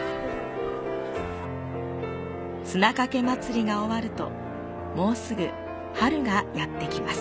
砂かけ祭が終るともうすぐ春がやって来ます。